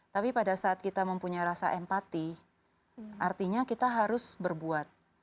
tapi pada saat kita mempunyai rasa empati artinya kita harus berbuat